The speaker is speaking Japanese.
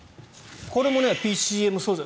これもＰＣＭ素材。